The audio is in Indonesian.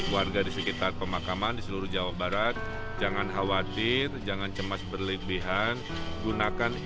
prosedur sudah dilakukan